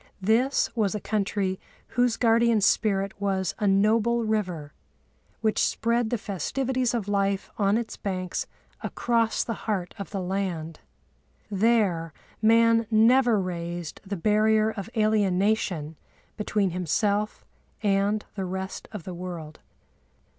This was a country whose guardian spirit was a noble river, which spread the festivities of life on its banks across the heart of the land. There man never raised the barrier of alienation between himself and the rest of the world.